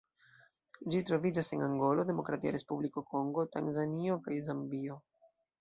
Ĝi troviĝas en Angolo, Demokratia Respubliko Kongo, Tanzanio kaj Zambio.